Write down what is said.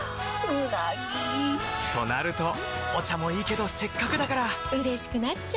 うなぎ！となるとお茶もいいけどせっかくだからうれしくなっちゃいますか！